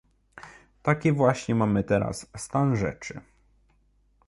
Taki właśnie mamy teraz stan rzeczy!